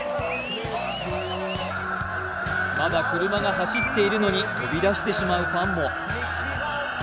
まだ車が走っているのに飛び出してしまうファンも。